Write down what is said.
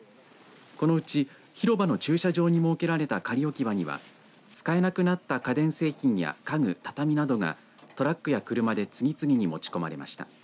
このうち広場の駐車場に設けられた仮置き場には使えなくなった家電製品や家具、畳などがトラックや車などで次々に持ち込まれました。